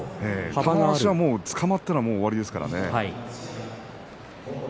玉鷲は、つかまったら終わりですからね。